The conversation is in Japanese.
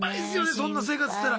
そんな生活してたら。